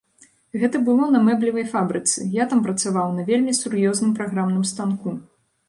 Гэта было на мэблевай фабрыцы, я там працаваў на вельмі сур'ёзным праграмным станку.